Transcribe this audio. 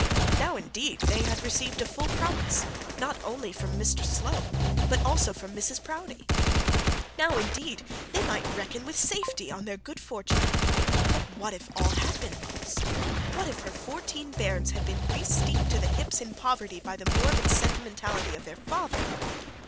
Now, indeed, they had received the full promise not only from Mr Slope, but also from Mrs Proudie. Now, indeed, they might reckon with safety on their good fortune. But what if it all had been lost? What if her fourteen bairns had been resteeped to the hips in poverty by the morbid sentimentality of their father?